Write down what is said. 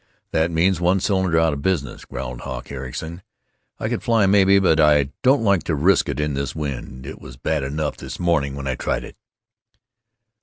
That means one cylinder out of business," growled Hawk Ericson. "I could fly, maybe, but I don't like to risk it in this wind. It was bad enough this morning when I tried it."